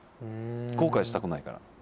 後悔したくないから。